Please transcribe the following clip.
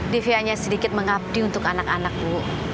dv hanya sedikit mengabdi untuk anak anak bu